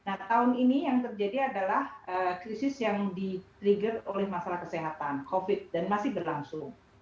nah tahun ini yang terjadi adalah krisis yang di trigger oleh masalah kesehatan covid dan masih berlangsung